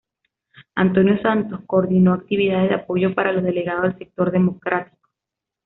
Antonio Santos coordinó actividades de apoyo para los delegados del sector democrático.